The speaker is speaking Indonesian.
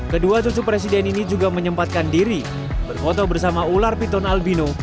kedua cucu presiden ini juga menyempatkan diri berfoto bersama ular piton albino